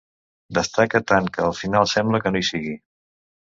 Destaca tant que al final sembla que no hi sigui.